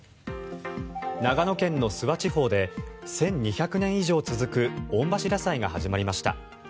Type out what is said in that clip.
長野県の諏訪地方で１２００年以上続く御柱祭が始まりました。